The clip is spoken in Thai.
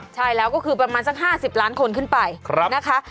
ใช่แล้วก็คือประมาณสัก๕๐ล้านคนขึ้นไปนะคะ